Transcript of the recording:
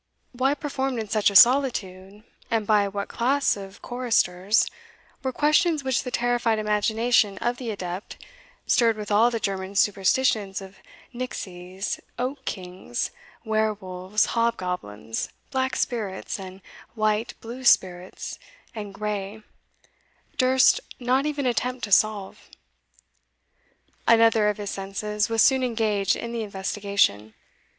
Why performed in such a solitude, and by what class of choristers, were questions which the terrified imagination of the adept, stirred with all the German superstitions of nixies, oak kings, wer wolves, hobgoblins, black spirits and white, blue spirits and grey, durst not even attempt to solve. Another of his senses was soon engaged in the investigation.